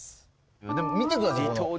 でも見てください